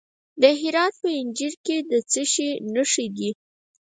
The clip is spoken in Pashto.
د هرات په انجیل کې د څه شي نښې دي؟